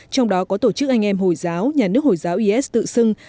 trong đó có tổ chức anh em hồi giáo nhà nước hồi giáo is tự xưng